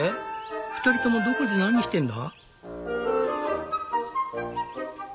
２人ともどこで何してんだ？」。